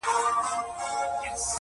• د وګړو به سول پورته آوازونه -